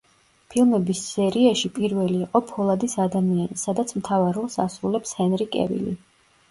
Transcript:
ფილმების სერიაში პირველი იყო „ფოლადის ადამიანი“, სადაც მთავარ როლს ასრულებს ჰენრი კევილი.